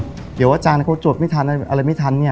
เดี๋ยวอาจารย์เขาจวดไม่ทันอะไรไม่ทันเนี่ย